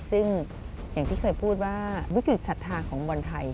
ซึ่งอย่างที่เคยพูดว่าวิกฤตศรัทธาของบอลไทย